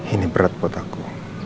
ini berat buat aku